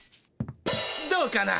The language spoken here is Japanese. どうかな。